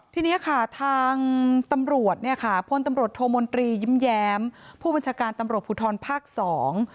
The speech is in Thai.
ทีเนี้ยค่ะทางตำรวจเนี่ยค่ะพลตำรวจโทมนตรียิ้มแย้มผู้บัญชาการตำรวจภูทรภาคสอง